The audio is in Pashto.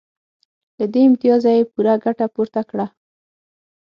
له دې امتیازه یې پوره ګټه پورته کړه